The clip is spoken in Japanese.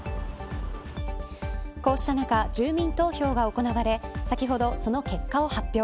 こうした中、住民投票が行われ先ほど、その結果を発表。